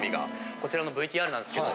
こちらのＶＴＲなんですけど。